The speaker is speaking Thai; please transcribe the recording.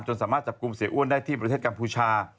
สามารถจับกลุ่มเสียอ้วนได้ที่ประเทศกัมพูชา